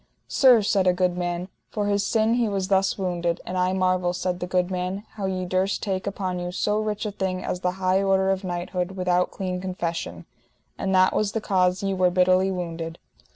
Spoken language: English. Sir, said a good man, for his sin he was thus wounded; and I marvel, said the good man, how ye durst take upon you so rich a thing as the high order of knighthood without clean confession, and that was the cause ye were bitterly wounded.